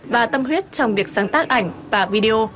và tâm huyết trong việc sáng tác ảnh và video